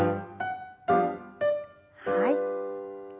はい。